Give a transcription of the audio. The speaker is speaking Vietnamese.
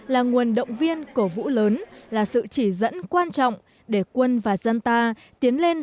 là nguồn động viên cổ vũ lớn là sự chỉ dẫn quan trọng để quân và dân ta tiến lên